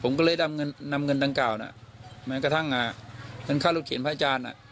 ผมก็เลยดำเงินดำเงินดำเก่าน่ะแม้กระทั่งอ่าเงินค่ารถเข็นพระอาจารย์น่ะ